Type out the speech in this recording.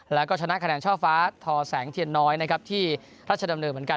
แล้วก็ชนะคะแนนช่อฟ้าทอแสงเทียนน้อยนะครับที่ราชดำเนินเหมือนกัน